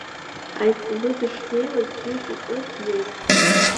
Аиҵбы дышнеиуаз, жьик иҟны днеит.